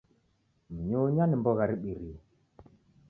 Mnyunya ni mbogha ribirie